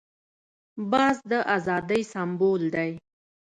باز د آزادۍ سمبول دی